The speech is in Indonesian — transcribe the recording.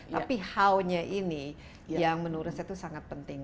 tapi how nya ini yang menurut saya itu sangat penting